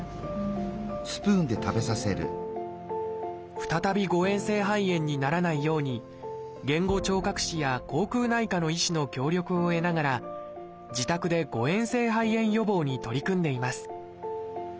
再び誤えん性肺炎にならないように言語聴覚士や口腔内科の医師の協力を得ながら自宅で誤えん性肺炎予防に取り組んでいます。